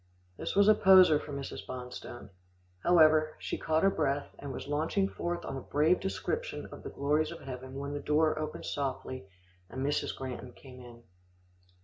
This was a poser for Mrs. Bonstone. However, she caught her breath, and was launching forth on a brave description of the glories of heaven when the door opened softly, and Mrs. Granton came in.